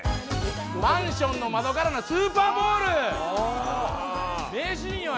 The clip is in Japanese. マンションの窓からのスーパーボール名シーンよ